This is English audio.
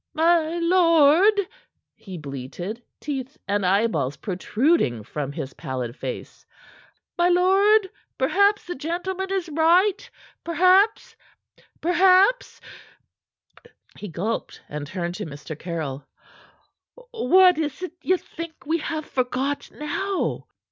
"My lord," he bleated, teeth and eyeballs protruding from his pallid face. "My lord! Perhaps the gentleman is right. Perhaps Perhaps " He gulped, and turned to Mr. Caryll. "What is't ye think we have forgot now?"